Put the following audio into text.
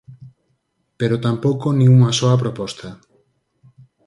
Pero tampouco nin unha soa proposta.